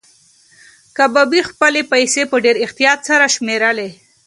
کبابي خپلې پیسې په ډېر احتیاط سره شمېرلې.